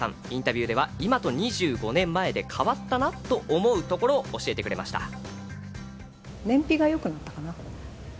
インタビューでは今と２５年前で変わったなと思うことを教えてくれました。